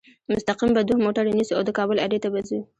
مستقیم به دوه موټره نیسو او د کابل اډې ته به ځو.